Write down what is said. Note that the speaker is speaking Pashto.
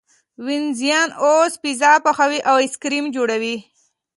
وینزیان اوس پیزا پخوي او ایس کریم جوړوي.